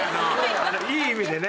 いい意味でね